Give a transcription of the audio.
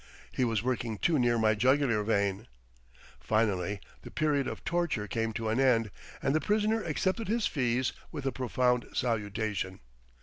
He was working too near my jugular vein. Finally the period of torture came to an end, and the prisoner accepted his fees with a profound salutation.